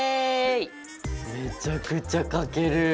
めちゃくちゃ書ける！